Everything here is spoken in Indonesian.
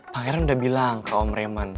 pangeran udah bilang ke om reman